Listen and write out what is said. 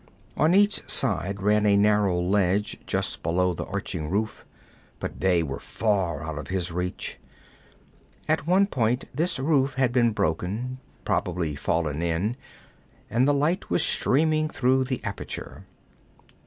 On each side ran a narrow ledge, just below the arching roof, but they were far out of his reach. At one point this roof had been broken, probably fallen in, and the light was streaming through the aperture.